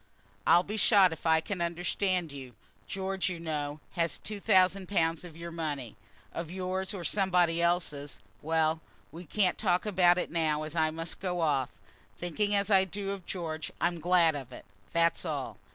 "I'll be shot if I can understand you. George, you know, has had two thousand pounds of your money, of yours or somebody else's. Well, we can't talk about it now, as I must be off. Thinking as I do of George, I'm glad of it, that's all."